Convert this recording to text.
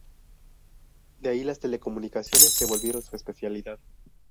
De ahí, las telecomunicaciones se volvieron su especialidad.